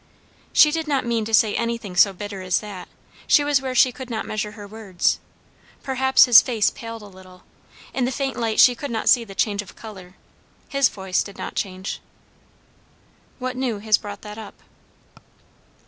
She did not mean to say anything so bitter as that; she was where she could not measure her words. Perhaps his face paled a little; in the faint light she could not see the change of colour. His voice did not change. "What new has brought that up?"